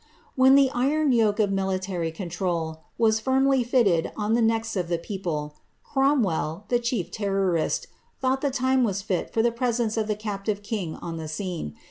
When the iron yoke of militar}' control was firmly fitted on the necks of the people, Cromwell, the chief terrorist, thought the time was fit for the presence of the captive king on the scene.